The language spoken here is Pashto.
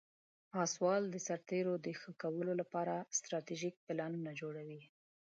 پاسوال د سرتیرو د ښه کولو لپاره استراتیژیک پلانونه جوړوي.